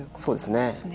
そうですね。